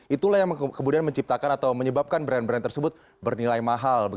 itulah yang kemudian menciptakan atau menyebabkan brand brand tersebut bernilai mahal